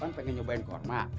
kapan pengen nyobain korma